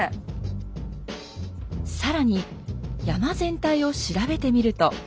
更に山全体を調べてみると。